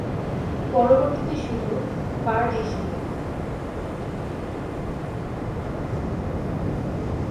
পরবর্তীতে শুধু "কার্ড" হিসেবে।